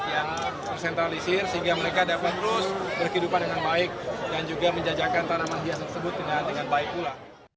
yang tersentralisir sehingga mereka dapat terus berkehidupan dengan baik dan juga menjajakan tanaman hias tersebut dengan baik pula